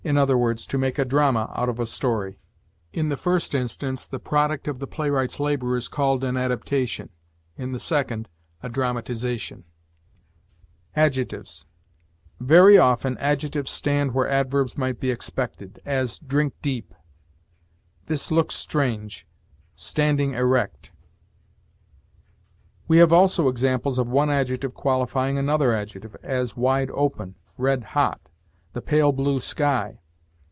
e., to make a drama out of a story. In the first instance, the product of the playwright's labor is called an adaptation; in the second, a dramatization. ADJECTIVES. "Very often adjectives stand where adverbs might be expected; as, 'drink deep,' 'this looks strange,' 'standing erect.' "We have also examples of one adjective qualifying another adjective; as, 'wide open,' 'red hot,' 'the pale blue sky.'